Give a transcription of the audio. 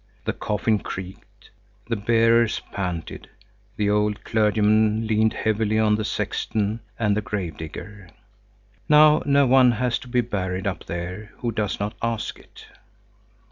The coffin creaked; the bearers panted; the old clergyman leaned heavily on the sexton and the grave digger. Now no one has to be buried up there who does not ask it.